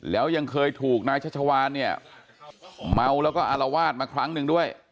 แล้วยังเคยถูกนายชัชวานเนี่ยเมาแล้วก็อารวาสมาครั้งหนึ่งด้วย